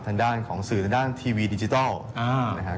ทางด้านของสื่อทางด้านทีวีดิจิทัลนะครับ